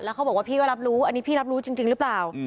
เขาบอกว่าพี่ก็รับรู้อันนี้พี่รับรู้จริงหรือเปล่า